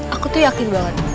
aku tuh yakin banget